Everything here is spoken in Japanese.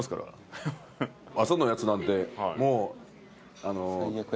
朝のやつなんてもう。